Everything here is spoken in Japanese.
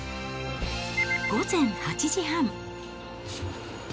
午前８時半。